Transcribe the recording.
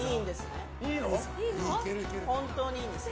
本当にいいんですね？